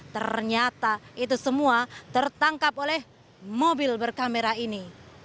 ternyata itu semua tertangkap oleh mobil berkamera ini